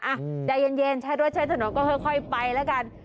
อ่ะใจเย็นใช้รถใช้ถนนก็ค่อยไปแล้วกัน